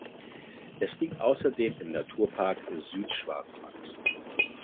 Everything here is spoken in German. Es liegt außerdem im Naturpark Südschwarzwald.